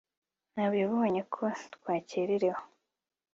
nabibonye ko twakererewe